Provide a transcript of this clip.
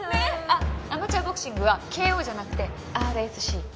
あっアマチュアボクシングはＫＯじゃなくてＲＳＣ。